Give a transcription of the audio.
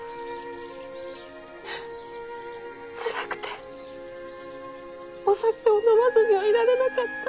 つらくてお酒を飲まずにはいられなかった。